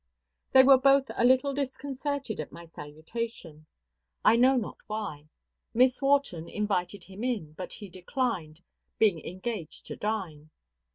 They were both a little disconcerted at my salutation: I know not why. Miss Wharton invited him in; but he declined, being engaged to dine.